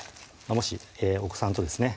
もしお子さんとですね